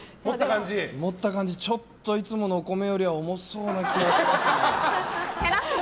持った感じちょっといつものお米よりは重そうな気がしますね。